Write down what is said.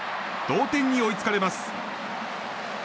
同点に追いつかれます。